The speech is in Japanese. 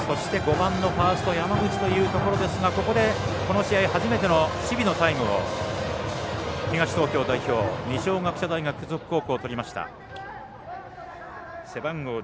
５番の山口のところですがここで、この試合初めての守備のタイムを東東京代表二松学舎大付属高校がとりました。